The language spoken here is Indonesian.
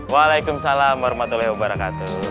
waalaikumsalam warahmatullahi wabarakatuh